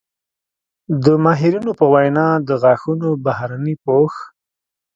د ماهرینو په وینا د غاښونو بهرني پوښ